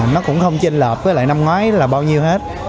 nó cũng không trên lợp với lại năm ngoái là bao nhiêu hết